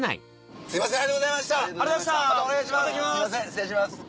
失礼します！